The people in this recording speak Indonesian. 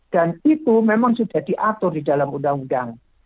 dan itu memang sudah diatur di dalam undang undang